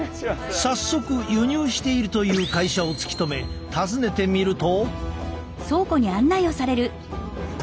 早速輸入しているという会社を突き止め訪ねてみると。